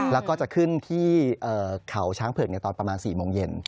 แล้วก็จะขึ้นที่เขาช้างเผือกตอนประมาณ๔โมงเย็น